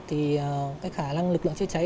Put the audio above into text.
thì cái khả năng lực lượng chữa cháy